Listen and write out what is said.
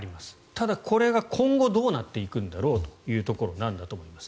ただ、これが今後どうなっていくんだろうというところなんだと思います。